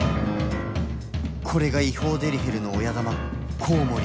これが違法デリヘルの親玉コウモリ